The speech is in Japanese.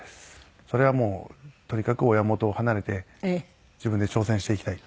それはもうとにかく親元を離れて自分で挑戦していきたい。